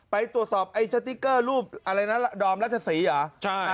ไปตรวจสอบไอ้สติ๊กเกอร์รูปอะไรนะดอมรัชศรีเหรอ